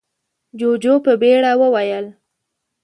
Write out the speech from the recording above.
جُوجُو په بيړه وويل: